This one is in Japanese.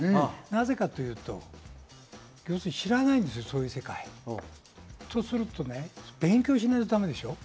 なぜかというと知らないんですよ、そういう世界。とすると勉強しないとだめでしょう。